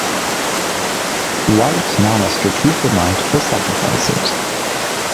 White now must retreat the knight, or sacrifice it.